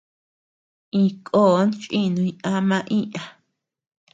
Iñkon chinuñ ama iña.